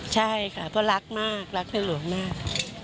ใช่ค่ะเพราะรักมากรักในหลวงมาก